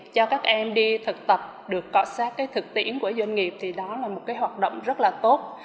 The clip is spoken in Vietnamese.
cho các em đi thực tập được cọ xác thực tiễn của doanh nghiệp thì đó là một hoạt động rất tốt